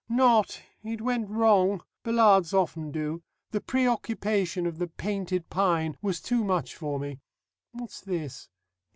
"Not; it went wrong ballades often do. The preoccupation of the 'Painted Pine' was too much for me. What's this?